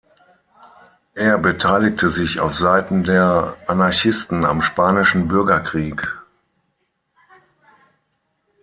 Er beteiligte sich auf Seiten der Anarchisten am Spanischen Bürgerkrieg.